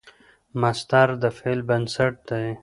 مصدر د فعل بنسټ دئ.